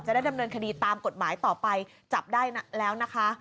ได้ดำเนินคดีตามกฎหมายต่อไปจับได้แล้วนะคะ